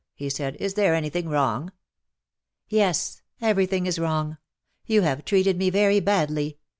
he said ;^' is there any thing wrong ?^'" Yes — everything is wrong ! Yon have treated me very badly.